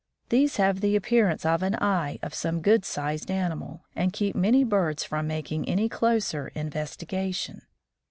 These have the appearance of an eye of some good sized animal, and keep many birds from making any closer investigation.